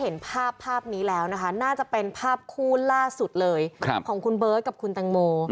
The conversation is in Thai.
น่าจะเป็นภาพคู่ล่าสุดเลยของคุณเบิร์ตกับคุณตังโม